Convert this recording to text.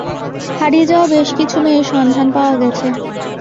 হারিয়ে যাওয়া বেশকিছু মেয়ের সন্ধান পাওয়া গেছে।